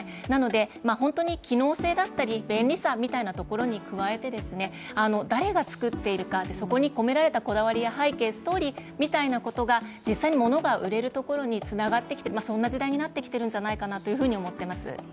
なので、本当に機能性だったり便利さみたいなところに加えて誰が作っているか、そこに込められたこだわりや背景、ストーリーみたいなことが実際に物が売れるところにつながっているそんな時代になってきているんじゃないかなと思っています。